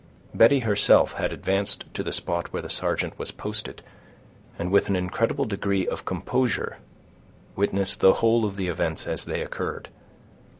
Betty herself had advanced to the spot where the sergeant was posted, and, with an incredible degree of composure, witnessed the whole of the events as they occurred.